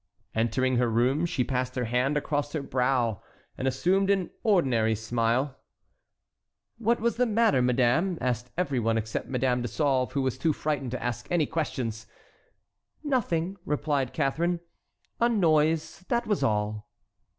Entering her room, she passed her hand across her brow, and assumed an ordinary smile. "What was the matter, madame?" asked every one except Madame de Sauve, who was too frightened to ask any questions. "Nothing," replied Catharine; "a noise, that was all."